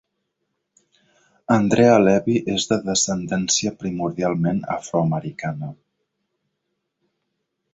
Andrea Levy és de descendència primordialment afroamericana.